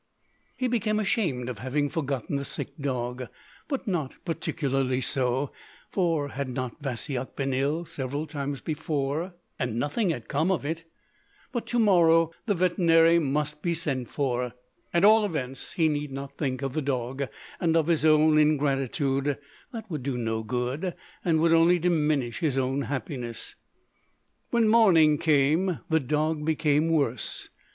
He became ashamed of having forgotten the sick dog—but not particularly so: for had not Vasyuk been ill several times before, and nothing had come of it. But to morrow the veterinary must be sent for. At all events he need not think of the dog, and of his own ingratitude—that would do no good, and would only diminish his own happiness. When morning came the dog became worse.